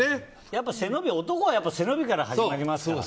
やっぱり男は背伸びから始まりますから。